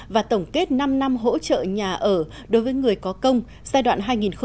và tổng kết năm năm hỗ trợ nhà ở đối với người có công giai đoạn hai nghìn một mươi bốn hai nghìn một mươi tám